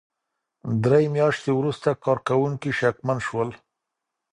درې مياشتې وروسته کارکوونکي شکمن شول.